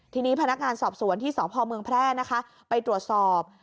ทีนี้พนักงานสอบสวนที่สพเมืองแพร่นะคะไปตรวจสอบ